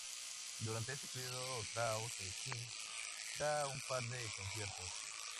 Durante ese período Tao te kin da un par de conciertos.